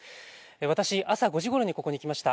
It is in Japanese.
私、朝５時ごろにここに来ました。